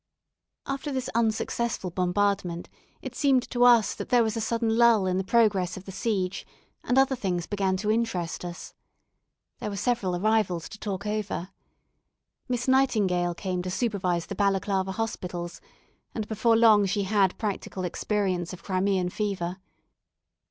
After this unsuccessful bombardment, it seemed to us that there was a sudden lull in the progress of the siege; and other things began to interest us. There were several arrivals to talk over. Miss Nightingale came to supervise the Balaclava hospitals, and, before long, she had practical experience of Crimean fever.